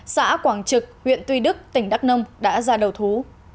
xã quảng trực huyện tuy đức tỉnh đắk nông đã ra đầu thú